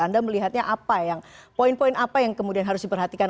anda melihatnya apa yang poin poin apa yang kemudian harus diperhatikan